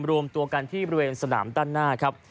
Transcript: รวมตัวกันที่บริเวณสนามด้านหน้าครับ